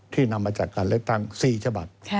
นำมาจากการเลือกตั้ง๔ฉบับ